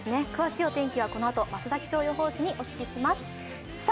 詳しいお天気はこのあと増田気象予報士にお聴きします。